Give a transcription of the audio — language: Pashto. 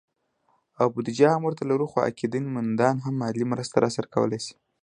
او بودیجه هم ورته لرو، خو عقیدت مندان هم مالي مرسته راسره کولی شي